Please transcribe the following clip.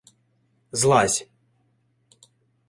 — Злазь.